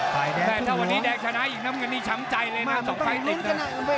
แต่ถ้าวันนี้แดงชนะอีกน้ำเงินนี่ช้ำใจเลยนะ๒ไฟต์อีกนะ